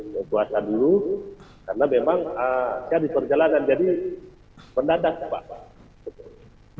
kuasa dulu karena memang saya diperjalanan jadi pendadak pak